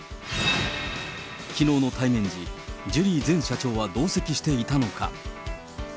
きのうの対面時、ジュリー前社長は同席していたのか。